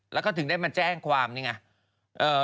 แล้วก็ถึงได้มาแจ้งความนี่ไง